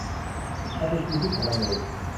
มันเป็นจริงที่ฉันลังเล